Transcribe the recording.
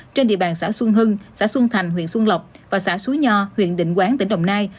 trên địa bàn xã xuân hưng xã xuân thành huyện xuân lộc và xã suối nho huyện định quán tỉnh đồng nai